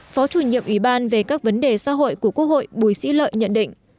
phó chủ nhiệm ủy ban về các vấn đề xã hội của quốc hội bùi sĩ lợi nhận định